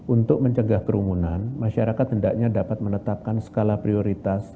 untuk mencegah kerumunan masyarakat hendaknya dapat menetapkan skala prioritas